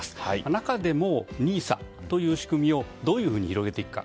中でも、ＮＩＳＡという仕組みをどういうふうに広げていくか。